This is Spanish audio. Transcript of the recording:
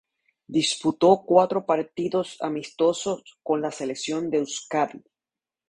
Disputó cuatro partidos amistosos con la Selección de Euskadi.